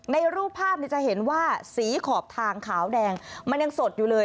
รูปภาพจะเห็นว่าสีขอบทางขาวแดงมันยังสดอยู่เลย